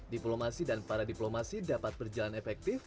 diplomasi dan paradiplomasi dapat berjalan efektif